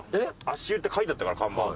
足湯って書いてあったから看板。